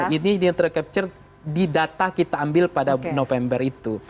ini yang tercapture di data kita ambil pada november itu